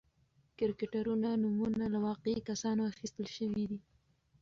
کرکټرونو نومونه له واقعي کسانو اخیستل شوي و.